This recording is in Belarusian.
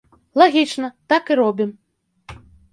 Лагічна, так і робім!